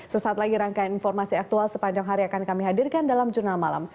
sesaat lagi rangkaian informasi aktual sepanjang hari akan kami hadirkan dalam jurnal malam